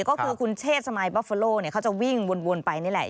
ก็คือคุณเชษสมายบอฟเฟอโลเขาจะวิ่งวนไปนี่แหละ